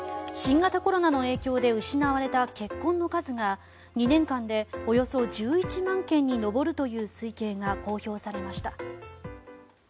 新型コロナの影響で失われた結婚の数が２年間でおよそ１１万件に上るという推計が公表されました。